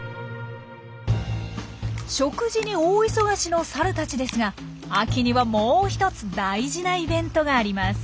食事に大忙しのサルたちですが秋にはもう一つ大事なイベントがあります。